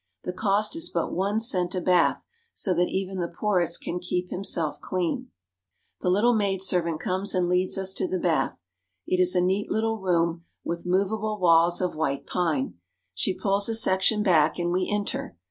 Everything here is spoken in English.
The cost is but one cent a bath, so that even the poorest can keep him self clean. The little maidservant comes and leads us to the bath. It is a neat little room with movable walls of white pine. She pulls a section back, and we enter.